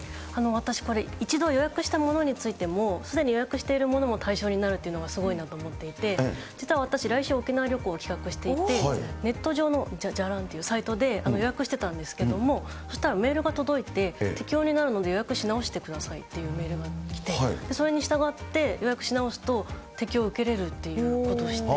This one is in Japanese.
私、これ、一度予約したものについても、すでに予約しているものも対象になるっていうのがすごいなと思っていて、実は私、来週沖縄旅行を企画していて、ネット上のじゃらんっていうサイトで予約してたんですけども、そうしたらメールが届いて、適用になるので予約し直してくださいっていうメールが来て、それに従って予約し直すと、適用受けれるっていうことを知って。